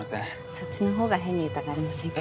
そっちのほうが変に疑われませんか？